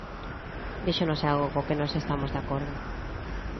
Díxonos algo co que nós estamos de acordo.